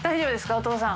お父さん。